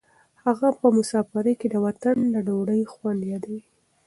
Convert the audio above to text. هغه په مسافرۍ کې د وطن د ډوډۍ خوند یادوي.